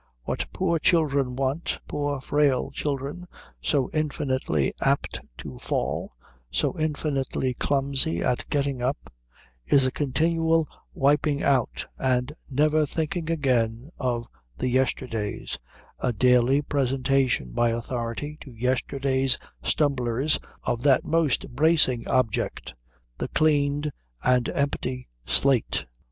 What poor children want, poor frail children, so infinitely apt to fall, so infinitely clumsy at getting up, is a continual wiping out and never thinking again of the yesterdays, a daily presentation by authority to yesterday's stumblers of that most bracing object, the cleaned and empty slate.